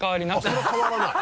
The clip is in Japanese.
それは変わらない。